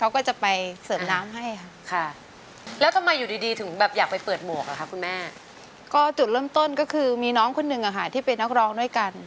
ก็จุดเริ่มต้นคือมีน้องคนหนึ่งนะคะที่เป็นนักร้องด้วยกัน